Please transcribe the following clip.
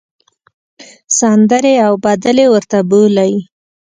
سندرې او بدلې ورته بولۍ.